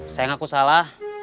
saya ngaku salah